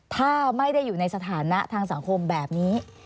ถ้าไม่ได้อยู่ในสถานะทางสังคมแบบนี้